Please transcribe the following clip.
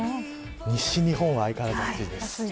西日本は相変わらず暑いです。